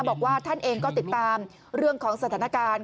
บอกว่าท่านเองก็ติดตามเรื่องของสถานการณ์